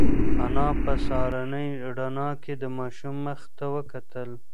انا په سهارنۍ رڼا کې د ماشوم مخ ته وکتل.